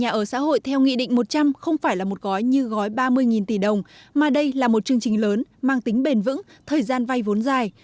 ngân hàng chính sách xã hội theo nghị định một trăm linh không phải là một gói như gói ba mươi tỷ đồng mà đây là một chương trình lớn mang tính bền vững thời gian vay vốn dài